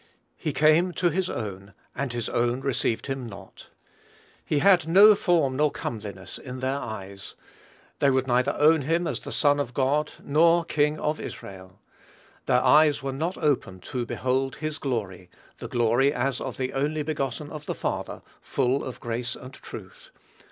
"He came to his own, and his own received him not." He had "no form nor comeliness in their eyes." They would neither own him as the Son of God, nor King of Israel. Their eyes were not open to behold "his glory, the glory as of the only begotten of the Father, full of grace and truth."